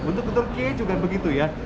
untuk ke turkiye juga begitu ya